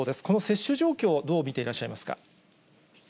この接種状況はどう見ていらっしゃいますか。